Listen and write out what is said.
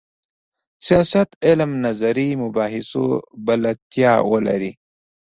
سیاست علم نظري مباحثو بلدتیا ولري.